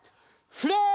フレー！